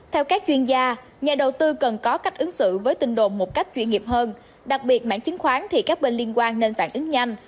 theo các chuyên gia nhà đầu tư cần có cách ứng xử với tinh đồn một cách chuyên nghiệp hơn đặc biệt mảng chứng khoán thì các bên liên quan nên phản ứng nhanh